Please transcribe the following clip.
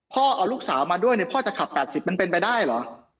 เอาลูกสาวมาด้วยเนี่ยพ่อจะขับ๘๐มันเป็นไปได้เหรอ